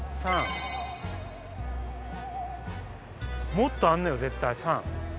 もっとあんのよ絶対。